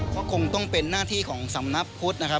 เขาคงต้องเป็นหน้าที่ของศศภุตนะครับ